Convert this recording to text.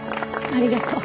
ありがとう。